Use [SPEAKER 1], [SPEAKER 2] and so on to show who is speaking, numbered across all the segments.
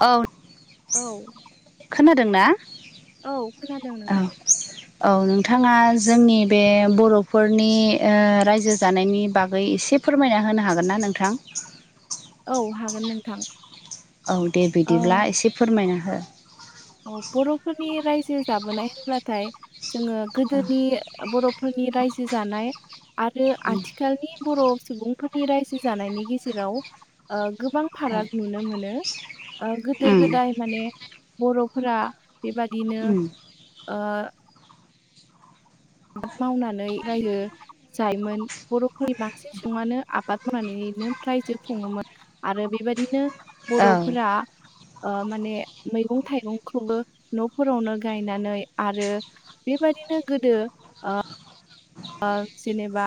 [SPEAKER 1] औ
[SPEAKER 2] औ
[SPEAKER 1] खोनादों ना
[SPEAKER 2] औ खोनादों नोंथां
[SPEAKER 1] [inaudible] औ नोंथाङा जोंनि बे बर'फोरनि रायजो जानायनि बागै एसे फोरमायना होनो हागोन ना नोंथां
[SPEAKER 2] औ हागोन नोंथां
[SPEAKER 1] औ दे
[SPEAKER 2] ओ
[SPEAKER 1] बिदिब्ला एसे फोरमायना हो
[SPEAKER 2] बर'फोरनि रायजो जाबोनाय होनब्लाथाय जोङो गोदोनि बर'फोरनि रायजो जानाय आरो आथिखालनि बर' सुबुंफोरनि रायजो जानायनि गेजेराव गोबां
[SPEAKER 1] औ
[SPEAKER 2] फाराग नुनो मोनो गोदो
[SPEAKER 1] उम
[SPEAKER 2] गोदाय माने बर'फोरा बेबादिनो
[SPEAKER 1] उम
[SPEAKER 2] ओ मावनानै रायजो जायोमोन बर'फोरनि बांसिन सुबुङानो आबाद मावनानैनो रायजो खुङोमोन आरो बेबायदिनो
[SPEAKER 1] औ
[SPEAKER 2] बर'फोरा माने मैगं थाइगंखौबो न'फोरावनो गायनानै आरो बेबायदिनो गोदो जेनेबा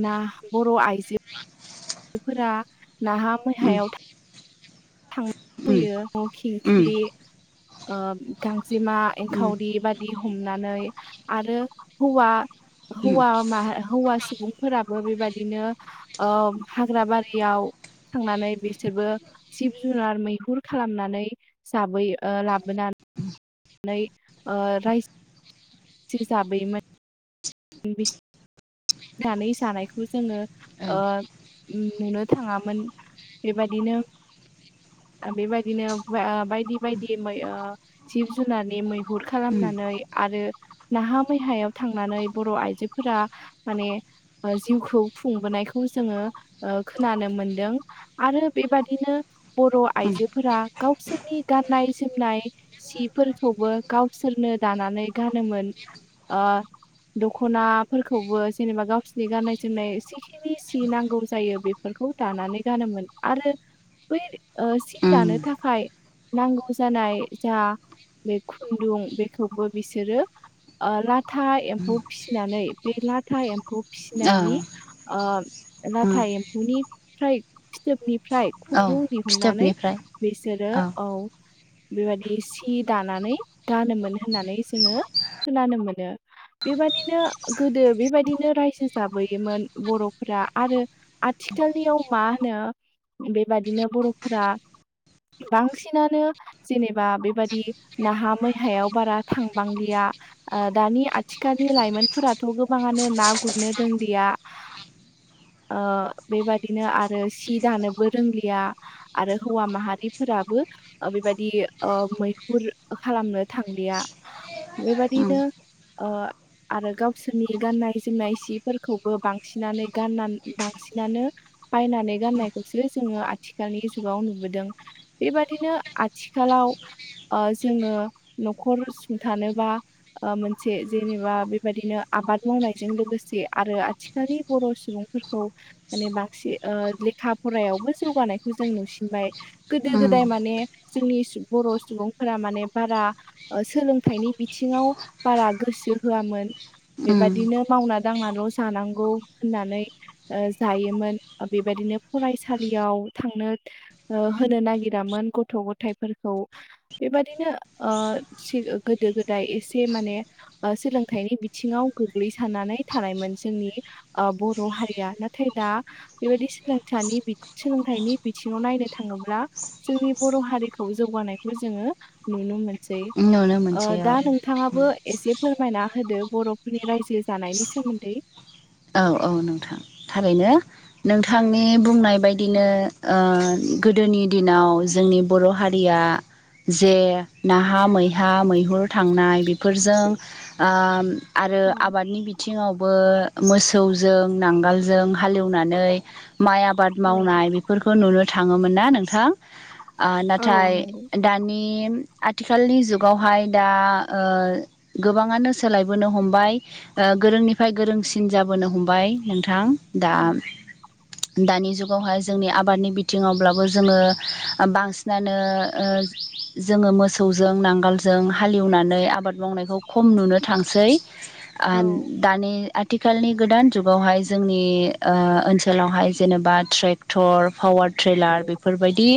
[SPEAKER 2] ना बर' आइजोफोरा नाहा
[SPEAKER 1] उम
[SPEAKER 2] मैहायाव थां
[SPEAKER 1] उम
[SPEAKER 2] फैयो न
[SPEAKER 1] उम
[SPEAKER 2] खिंख्रि गांजेमा
[SPEAKER 1] उम
[SPEAKER 2] एंखावरि बाय बि हमनानै आरो हौवा हौवा माहा हौवा सुबुं फोराबो बेबायदिनो हाग्रा बारियाव थांनानै बिसोरबो जिब जुनार मैहुर खालामनानै जाबै लाबोनानै नै रायजो जाबोयोमोन [unintelligible] गानै जानायखौ जोंङो
[SPEAKER 1] औ
[SPEAKER 2] नुनो थांङामोन बेबायदिनो बेबायदिनो बायदि बायदि मै जिब जुनारनि मै हुर
[SPEAKER 1] उम उम
[SPEAKER 2] खालामनानै आरो नाहा मैहायाव थांनानै बर' आइजोफोरा माने जिउखौ खुंबोनायखौ जोंङो खोनानो मोनदों। आरो बेबादिनो बर' आइजोफोरा गावसोरनि गाननाय जोमनाय सि फोरखौबो गावसोरनो दानानै गानोमोन दखनाफोरखौबो जेनेबा गावसिनि गाननाय जोमनाय सि नांगौ जायो बेफोरखौ दानानै गानोमोन आरो बै सि दानो
[SPEAKER 1] उम
[SPEAKER 2] थाखाय नांगौ जानाय जाहा बे खुन्दुं बेखौबो बिसोरो नाथाय एमफौ फिसिनानै बे लाथा एम्फौ
[SPEAKER 1] औ
[SPEAKER 2] फिसिनायनि
[SPEAKER 1] उम
[SPEAKER 2] लाथा एमफौ निफ्राय फिथोबनिफ्राय
[SPEAKER 1] औ
[SPEAKER 2] खुन्दुं दिहुननानै
[SPEAKER 1] फिथोबनिफ्राय
[SPEAKER 2] बिसोरो औ बेबायदि सि दानानै दानोमोन होननानै जोंङो खोनानो मोनो बेबायदिनो गोदो बेबायदिनो रायजो जाबोयोमोन बर'फोरा आरो आथिखालनियाव मा होनो बेबादिनो बर'फोरा बांसिनानो जेनेबा बेबादि नाहा मैहायाव बारा थांबांलिया दानि आथिखालनि लाइमोनफोराथ' गोबांङानो ना गुरनो रोंलिया बेबादिनो आरो सि दानोबो रोंलिया आरो हौवा माहारिफोराबो बेबायदि मैहुर खालामनो थांलिया
[SPEAKER 1] उम
[SPEAKER 2] बेबादिनो ओ आरो गावसोरनि गाननाय जोमनाय सिफोरखौबो बांसिनानो गाननानै बांसिनानो बायनानै गाननायखौसो जोंङो आथिखालनि जुगाव नुबोदों। बेबादिनो आथिखालाव जोंङो न'खर सुंथानोबा से जेनेबा बेबायदिनो आबाद मावनायजों लोगोसे आरो आथिखालनि बर' सुबुंफोरखौ माने बांसिन लेखा फरायायावबो जौगानायखौ जों नुसिनबाय गोदो
[SPEAKER 1] उम
[SPEAKER 2] गोदाय माने जोंनि बर' सुबुंफोरा माने बारा सोलोंथाइनि बिथिंङाव बारा गोसो होयामोन
[SPEAKER 1] उम
[SPEAKER 2] बेबायदिनो मावना दांनाल' जानांगौ होननानै जायोमोन बेबायदिनो फरायसालियाव थांनो होनो नागिरामोन गथ' गथायाइफोरखौ बेबादिनो गोदो गोदाय एसे माने सोलोंथाइनि बिथिंङाव गोग्लैसारनानै थानायमोन जोंनि बर' हारिया नाथाय दा बेबायदि सोलोंथनि सोलोंथाइनि बिथिंङाव नायनो थांङोब्ला जोंनि बर' हारिखौ जौगानायखौ जोंङो नुनो मोनसै
[SPEAKER 1] नुनो मोनसै औ
[SPEAKER 2] दा नोंथांङाबो एसे फोरमायना होदो बर'फोरनि रायजो जानायनि सोमोन्दै
[SPEAKER 1] औ औ नोंथां थारैनो नोंथांनि बुंनाय बेबायदिनो गोदोनि दिनाव जोंनि बर' हारिया जे नाहा मैहा मैहुर थांनाय बेफोरजों आरो
[SPEAKER 2] औ
[SPEAKER 1] आबादनि बिथिङावबो मोसौजों नांगोलजों हालेवनानै माइ आबाद
[SPEAKER 2] औ
[SPEAKER 1] मावनाय फोरखौ नुनो थाङोमोन ना नोंथां
[SPEAKER 2] औ
[SPEAKER 1] नाथाय
[SPEAKER 2] नंगौ
[SPEAKER 1] दानि आथिखालनि जुगावहाय दा गोबाङानो सोलायबोनो हमबाय गोरोंनिफ्राय गोरोंसिन जाबोनो हमबाय नोंथां दा
[SPEAKER 2] औ
[SPEAKER 1] दानि जुगावहाय जोंनि आबादनि बिथिङावब्लाबो जोङो बांसिनानो जोङो मोसौजों नांगोलजों हालेवनानै आबाद मावनायखौ खम नुनो थांसै आ
[SPEAKER 2] औ
[SPEAKER 1] दानि आथिखालनि गोदान जुगावहाय जोंनि ओनसोलावहाय जेनेबा ट्रेक्टर पावार ट्रेलार बेफोरबायदि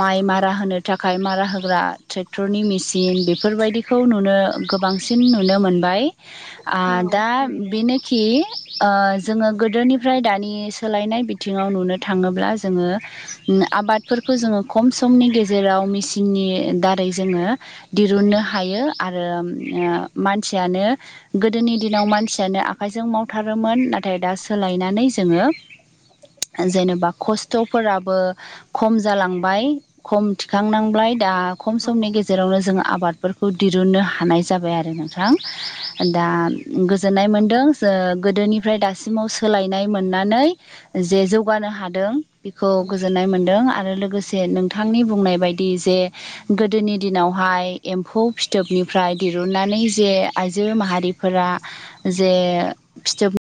[SPEAKER 1] माइ मारा होनो थाखाय मारा होग्रा ट्रेक्टरनि मेसिन बेफोरबायदि खौ नुनो गोबांसिन नुनो मोनबाय
[SPEAKER 2] औ
[SPEAKER 1] दा
[SPEAKER 2] थारैनो
[SPEAKER 1] नोखि जोङो गोदोनिफ्राय दानि सोलायनाय बिथिङाव नुनो थाङोब्ला जोङो आबादफोरखौ जोङो खम समनि गेजेराव मेसिननि दारै जोङो दिरुननो हायो आरो मानसियानो गोदोनि दिनाव मानसि -यानो आखाइजों मावथारोमोन नाथाय दा सोलायनानै जोङो जेनेबा खस्थ'फोराबो खम जालांबाय खम थिखांनांबाय दा खम समनि गेजेरावनो जोङो आबाद फोरखौ दिरुननो हानाय जाबाय आरो नोंथां दा गोजोन्नाय मोन्दों गोदोनि ओमफ्राय दासिमाव सोलायनाय मोननानै जे जौगानो हादों बेखौ गोजोन्नाय मोन्दों आरो लोगोसे नोंथांनि बुंनाय बायदि जे गोदोनि दिनावहाय एम्फौ फिथोबनिफ्राय दिरुननानै जे आइजो माहारि फोर जे फिथोब